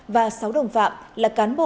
và sáu đồng phạm là cán bộ